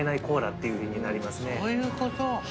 そういうこと。